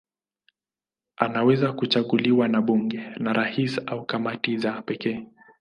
Anaweza kuchaguliwa na bunge, na rais au kamati za pekee.